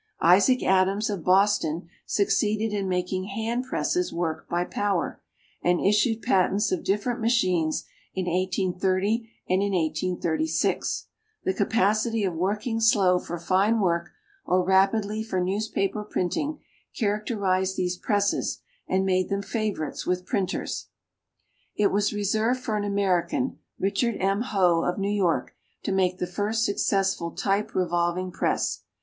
Isaac Adams, of Boston, succeeded in making hand presses work by power, and issued patents of different machines in 1830 and in 1836. The capacity of working slow for fine work, or rapidly for newspaper printing, characterized these presses, and made them favorites with printers. It was reserved for an American, Richard M. Hoe, of New York, to make the first successful type revolving press.